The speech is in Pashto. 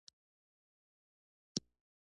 دا کيسه د هغه کس په اړه ده.